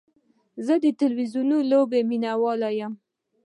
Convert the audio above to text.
زه د تلویزیوني لوبې مینهوال یم.